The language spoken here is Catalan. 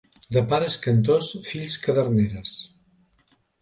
De pares cantors, fills caderneres.